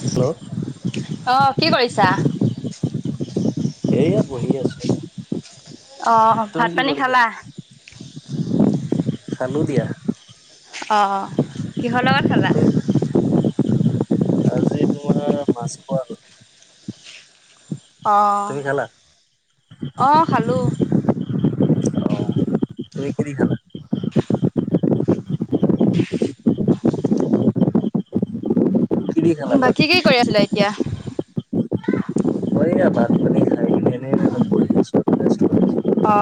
Hello অ', কি কৰিছা? এইয়া বহি আছো। অ, তুমি ভাত কি পানী কৰিছা? খালা? খালো দিয়া। অ, কিহৰ লগত খালা? তুমি- আজি তোমাৰ মাছ খোৱাল। অ-অ খালোঁ। [unintelligible] অ কি দি খালা ভাত? বাকী কি কৰি আছিলা এতিয়া? এইয়া ভাত-পানী খাই কেনে অলপ বহি আছোঁ। [unintelligible] অ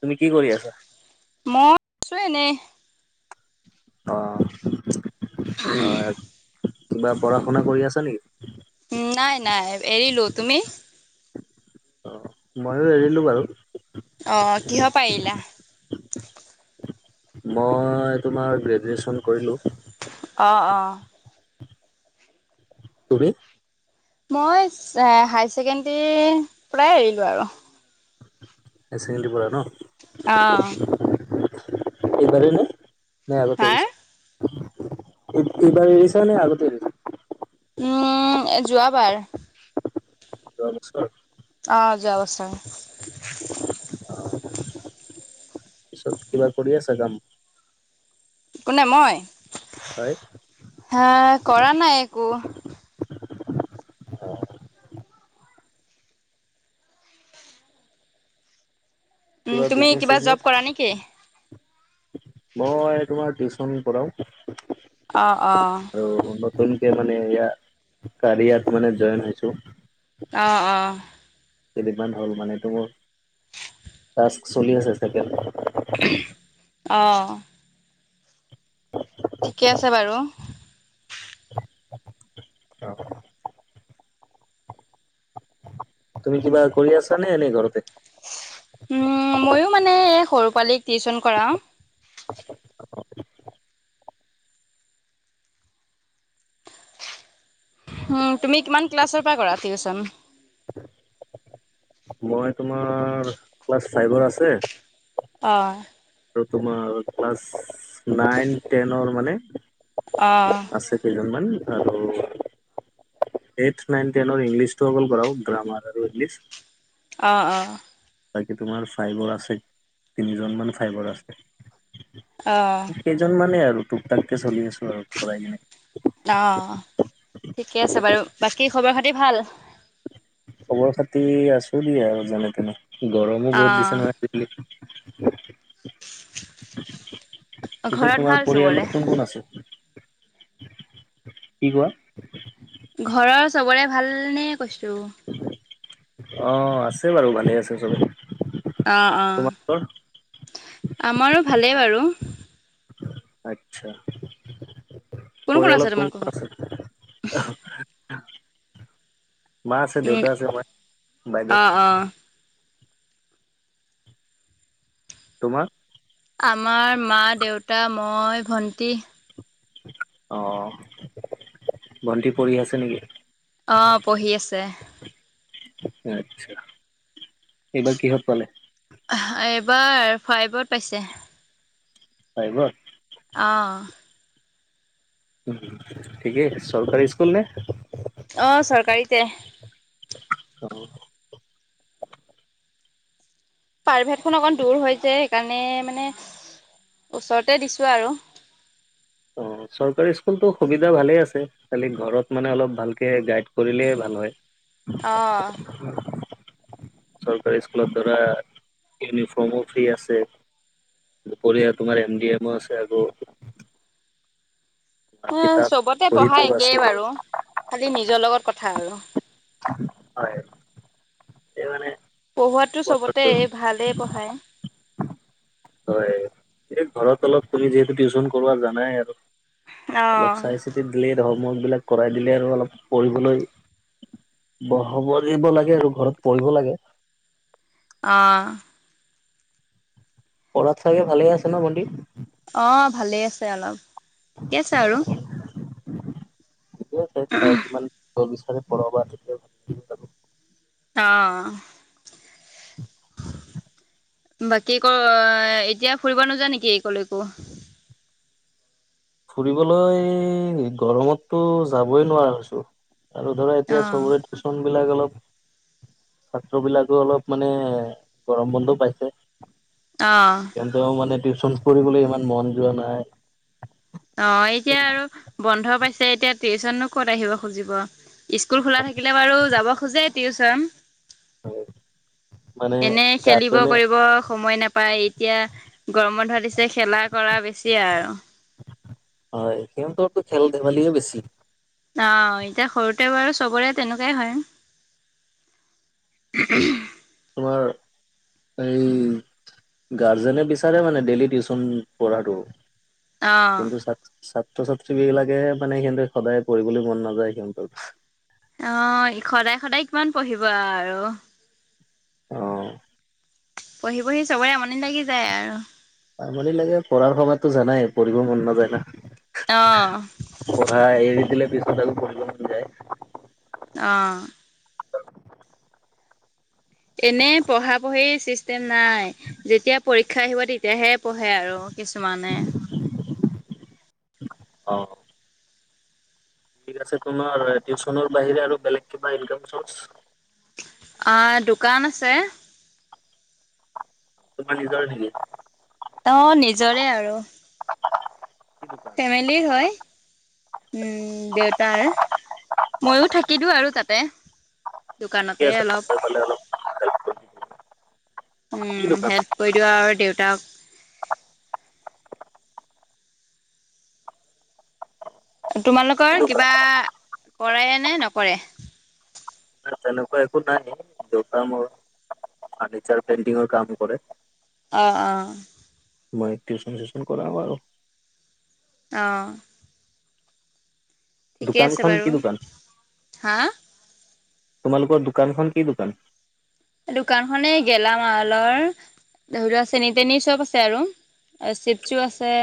তুমি কি কৰি আছা? মই আছো এনে। অ হয়, কিবা পঢ়া শুনা কৰি আছে নেকি? নাই-নাই এৰিলো, তুমি? মইয়ো এৰিলো বাৰু। অ কিহ পা এৰিলা মই তোমাৰ গ্ৰেজুৱেশ্যন কৰিলোঁ। অঁ অঁ তুমি? মই হাই ছেকেণ্ডৰীৰ পৰাই এৰিলোঁ আৰু। হাই ছেকেণ্ডাৰী পৰা ন? অ', এইবাৰেই না আগতে হাৰ? এৰিছা এইবাৰ এৰিছা নে আগতে এৰিছা উম যোৱাবাৰ। [unintelligible] অ', যোৱা বছৰ। পিছত কিবা কৰি আছ কাম কোনে মই হয়? হা কৰা নাই একো। আহ উম, কিবা তুমি বিজনেচ জব চিজনেচ কৰা নেকি? মই তোমাৰ টিউচন পঢ়াও। অঁ অঁ আৰু নতুনকে মানে ইয়া কেৰিয়াত মানে জইন হৈছো অ অ কেইদিনমান হ'ল মানে এইটো মোৰ টাক্স চলি আছে চাগে অঁ ঠিকে আছে বাৰু। অ তুমি কিবা কৰি আছা নে এনেই ঘৰতে উ ময়ো মানে এই সৰু পোৱালিক টিউচন কৰাও। উম তুমি কিমান ক্লাছৰ পৰা কৰা টিউচন মই তোমাৰ ক্লাছ ফাইভৰ আছে। অ তোমাৰ ক্লাচ নাইন টেনৰ মানে অ', আছে কেইজনমান আৰু এইত নাইন টেন ইংলিছটো অকল কৰা গ্ৰামাৰ আৰু ইংলিছ অঁ অঁ বাকী তোমাৰ ফাইবাৰ আছে তিনিজনমান ফাইবৰ আছে। অ', কেইজনমানে আৰু টুক -টাককে চলি আছো আৰু ঘৰাই কিনে অ ঠিকে আছে বাৰু বাকী খবৰ খাতি ভাল। খবৰ খাতি আছো দিয়ে আৰু যেনে তেনে গৰমো বহুত দিছে অ'। নহয় আজি কা। হয়। পিছত ঘৰত তোমাৰ ভাল চবৰে? পৰিয়ালত কোন কোন আছে? কি কোৱা? ঘৰৰ চবৰে ভালনে কৈছো? অ আছে বাৰু ভালে আছে চবে। অ তোমালোকৰ অ আমাৰো ভালেই বাৰু আচ্ছা কোন আছে পৰিয়ালত কোন তোমালোকৰ কোন ঘৰত? আছে? [inaudible] মা আছে উম, দেউতা আছে মই বাইদেউ। অ', অ'। তোমাৰ? আমাৰ মা দেউতা মই ভন্টি আহ ভণ্টি পৰি আছে নেকি? আহ পঢ়ি আছে। আচছা এইবাৰ কিহত পালে? এবাৰ ফাইভত পাইছে হয় গ আহঁ। ঠিকে চৰকাৰী স্কুল নে? অ চৰকাৰীতে অ প্ৰাৰভেটখন অকণ দূৰ হৈ য সেইকাৰণে মানে ওচৰতে দিছো আৰু অ চৰকাৰী স্কুলতো সুবিধা ভালে আছে খালি ঘৰত মানে অলপ ভালকে গাইড কৰিলে ভাল হয়। অ', চৰকাৰী স্কুলৰ দাৰা ইউনিফৰ্মো ফ্ৰী আছে। দুপৰীয়া তোমাৰ এম ডি এমও আছে আকৌ তোমাৰ হ কিতাপ চবতে বহীতো পঢ়া আছে একেই বাৰু খালি নিজৰ লগত কথা আৰু হয় এই মানে পঢ়োৱাতটো চবতে ভালেই পঢ়ায় হয় এই ঘৰত অলপ তুমি যিহেতু টিউচন কৰোৱা জানাই আৰু অলপ অ'। চাই চিতি দিলে হমৱৰ্কবলাক কৰাই দিলে আৰু অলপ পঢ়িবলৈ। ব হব দিব লাগে আৰু ঘৰত পঢ়িব লাগে। আহ পঢ়াৰ চাগে ভালে আছে ন ভন্টি অ ভালেই আছে অলপ ঠিকে আছে আৰু ঠিকে আছে তাই যিমান বিচাৰে পঢ়াবা তেতিয়া ভাল লাগ অ [inaudible] বাকী ক এতিয়া ফুৰিব নোযা নেকি এই কলৈকো ফুৰিবলৈ গৰমততটো যাবই নোৱাৰা হৈছো। আৰু ধৰা এতিয়া অ'। চবৰে টিউচন বিলাক অলপ ছাত্ৰ বিলাকো অলপ মানে গৰম বন্ধ পাইছে। অ', কিন্তু মানে টিউশচন পঢ়লৈ ইমান মন যোৱা নাই। অ এতিয়া আৰু বন্ধ পাইছে এতিয়া টিউশ্যননো ক'ত আহিব খুজিব স্কুল খোলা থাকিলে বাৰু যাব খোজে টিউচন মানে এনে খেলিব গাৰ্জেনে কৰিব সময় নাপায় এতিয়া গৰমত ধৰা দিছে খেলা কৰা বেছি আৰু হয় সিহঁতো খেল ধেমালিয়ে বেছি। আহ এতিয়া সৰুতে বাৰু চবৰে তেনেকুৱাই হয়। তোমাৰ এই গাৰ্জেনে বিচাৰে মানে ডেইলি টিউচন পঢ়াটো। অ কিন্তু ছাত্ৰ ছাত্ৰীব বিলাকে মানে সিহতে সদায় পঢ়িবলৈ মন নাযায় সিহঁতৰ আহ সদায় সদায় কিমান পঢ়িব আৰু আহ পঢ়ি পঢ়ি চবৰে আমনি লাগি যায় আৰু আমনি লাগে পঢ়াৰ সময়তো জানাই পঢ়িব মন নাযায় না। অ পঢ়া এৰি দিলে পিছত তাক পঢ়িব মন যায়। আহ এনে পঢ়া পঢ়ি চিষ্টেম নাই যেতিয়া পৰীক্ষা আহিব তেতিয়াহে পঢ়ে আৰু কিছমানে মানে অ ঠিক আছে তোমাৰ টিউচনৰ বাহিৰে আৰু বেলেগ কিবা ইনক চৰ্চ দোকান আছে। তোমাৰ নিজৰ ভিনি অ নিজৰে আৰু নেকি ফেমিলিৰ হয়। উম দেউতাৰ ময়ো থাকি দিওঁ আৰু তাতে ঠিকে দোকানতে আছে অলপ পালে অলপ হেল্প কৰি দিব কি উম দোকান হেল্প কৰি দওঁ আৰু দেউতাক। কি তোমালোকৰ দোকান? কিবা কৰে নে নকৰে? তেনেকুৱা একো নাই দেউতা মোৰ ফাৰ্নিচাৰ পেইণ্টিংৰ কাম কৰে। আহ আহ মই টিউশ্যন চিউশ্যন কৰাওঁ আৰু অ ঠিকে আছে দোকানখন বাৰু কি দোকান হা তোমালোকৰ দোকানখন কি দোকান? দোকান খনে গেলামালৰ ধৰি লোৱা চেনি তেনি চব আছে আৰু চিপচু আছে।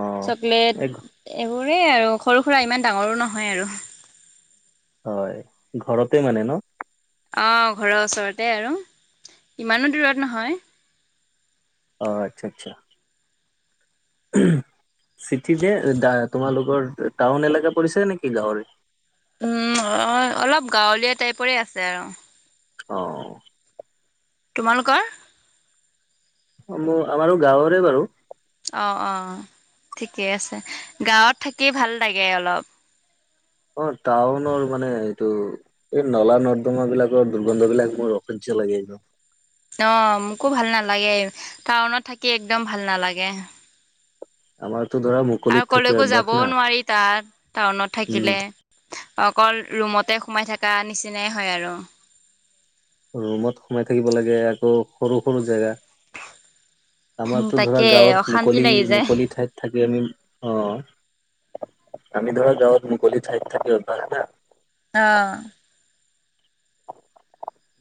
অ চকলেট এই এইবোৰেই আৰু সৰু সুৰা ইমান ডাঙৰো নহয় আৰু হয় ঘৰতে মানে ন অ ঘৰৰ ওচৰতে আৰু ইমানো দূৰত নহয়। আহ আচ্ছা আচ্ছা। চিটি যে তোমালোকৰ টাউন এলেকা পৰিছে নেকি গাঁৱৰ উম অ অলপ গাঁৱলীয়া টাইপৰে আছে আৰু অ তোমালোকৰ আমাৰো গাঁৱৰে বাৰু আহ আহ ঠিকে আছে গাঁৱত থাকি ভাল লাগে অলপ অঁ টাউনৰ মানে এইটো এই নলা নৰ্দমা বিলাকৰ দুৰ্গন্ধ বিলাক মোৰ অসয্য লাগিব। অ, মোকো ভাল নালাগে। টাউনত থাকি একদম ভাল নালাগে। আমাৰ আৰু কলেকো যাবও নোৱাৰি তাৰ টাউনত উম থাকিলে। অকল ৰুমতে সোমাই থকা নিচিনাই হয় আৰু ৰুমত সোমাই থাকিব লাগে আকৌ সৰু সৰু জেগা আমাৰতো ধৰা তাকে গাঁৱত অশান্তি মুকলি লাগি যায় মুকলি ঠাইত থাকি আমি অঁ আমি ধৰা গাওঁত মুকলি ঠাইত থাকি অভ্যাস না আহ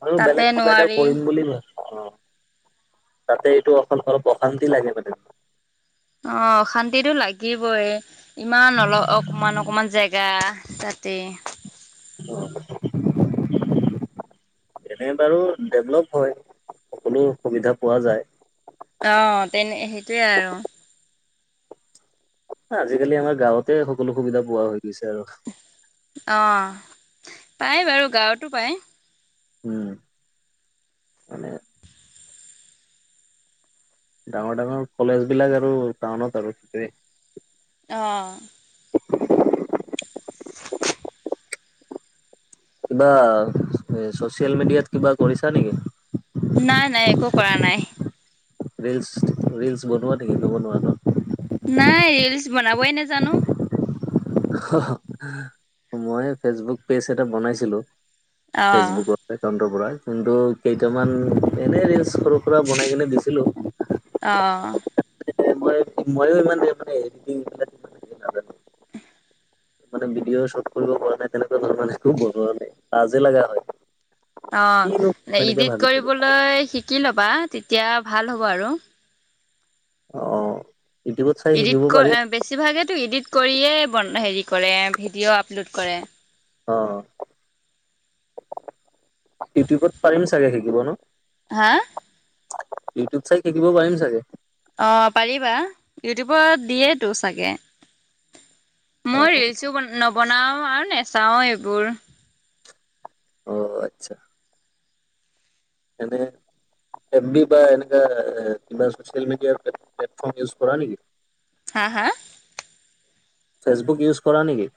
আৰু তাতে বেলেগ কিবা এটা নোৱাৰি। কৰিম বুলি ধৰ অঁ তাতে এইটো অকল অলপ অশান্তি লাগে মানে অঁ অশান্তিটো লাগিবই ইমান অল অকমান অকমান জেগা তাতে [inaudible] এনে বাৰু ডেভলপ হয় সকলো সুবিধা পোৱা যায় অঁ তেনে সেইটোৱেই আৰু আজিকালি আমাৰ গাঁৱতে সকলো সুবিধা পোৱা হৈ গৈছে আৰু অঁ পাই বাৰু গাঁৱতো পায় উম মানে ডাঙৰ ডাঙৰ কলেজ বিলাক আৰু টাউনত আৰু সেইটোৱে আহঁ [unintelligible] কিবা চচিয়েল মিডিয়াত কিবা কৰিছা নেকি? নাই, নাই একো কৰা নাই। ৰিলচ, ৰিলচ বনোৱা নেকি? নবনোৱা ন? নাই, ৰীলচ বনাবই নেজানো। মই ফেচবুক পেজ এটা বনাইছিলো। অ ফেচবুকৰ একাউন্টৰ পৰা কিন্তু কেইটামান এনে ৰীলছ সৰু-সুৰা বনাই কিনে দিছিলো। অ ম মইয়ো ইমান [unintelligible] নাজানো মানে ভিডিঅ' শ্বুট কৰিব পৰা নাই তেনেকুৱা ধৰণে। [unintelligible] লাজে লগা হয়। অ, কিনো এনেকে ইডিট ভাবি থাকো কৰিবলৈ শিকি ল'বা। তেতিয়া ভাল হ'ব আৰু। অ। ইউটিউবত চাই এডিট শিকিব কৰ পাৰিম বেছিভাগেটো ইডিট কৰিয়ে বন হেৰি কৰে ভিডিঅ' আপলোড কৰে। অ, ইউটিউবত পাৰিম চাগে শিকিব ন? হা? ইউটিউব চাই শিকিব পাৰিম চাগে? অ, পাৰিবা। ইউটিউবত দিয়েটো চাগে। মই অ', ৰিলচো নবনাওঁ আৰু নেচাওঁ এইবোৰ। অ, অ আচ্ছা। এনে এমবি বা এনেকা কিবা চচিয়েল মিডিয়াৰ প্লেটফৰ্ম ইউজ কৰা নেকি? হা হা? ফেচবুক ইউজ কৰা নেকি?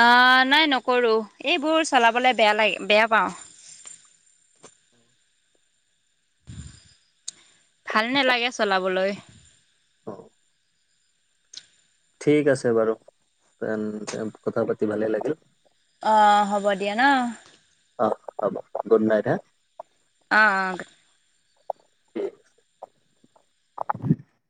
আ নাই নকৰো এইবোৰ চলাবলে বেয়া লাগে, বেয়া পাওঁ। উম। ভাল নালাগে চলাবলৈ। অ। ঠিক আছে বাৰু। তেন, তেন কথা পাতি ভালে লাগিল। অ, হ'ব দিয়া ন। অ, হ'ব গুড নাইট হা। আ আ। [unintelligible]